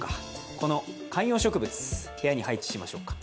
この観葉植物、部屋に配置しましょうか。